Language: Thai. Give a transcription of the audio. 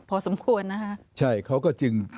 พอสมควรนะคะใช่เขาก็จึง